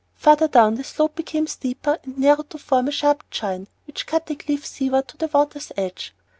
Farther down, the slope became steeper and narrowed to form the sharp "chine" which cut the cliff seaward to the water's edge.